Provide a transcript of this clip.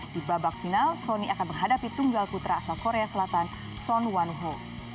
di babak final sonny akan menghadapi tunggal putra asal korea selatan son wan ho